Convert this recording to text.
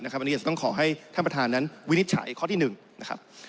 อันนี้อาจจะต้องขอให้ท่านประธานนั้นวินิจฉัยข้อที่๑นะครับ